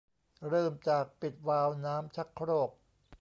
เริ่มจากปิดวาล์วน้ำชักโครก